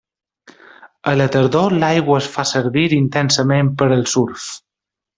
A la tardor l'aigua es fa servir intensivament per al surf.